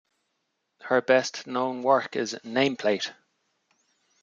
Her best known work is Nameplate.